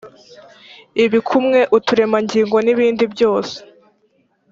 ibikumwe uturemangingo n ibindi byose